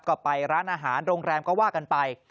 ก็ไปร้านอาหารโรงแรมก็ว่ากันไป